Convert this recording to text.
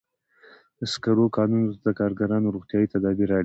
د سکرو کانونو ته د کارګرانو روغتیايي تدابیر اړین دي.